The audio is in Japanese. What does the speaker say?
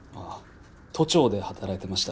都庁で働いてました。